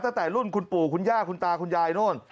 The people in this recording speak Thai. ตั้งแต่รุ่นคุณปู่คุณย่าคุณตาคุณยายโน่น